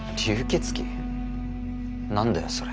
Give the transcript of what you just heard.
何だよそれ。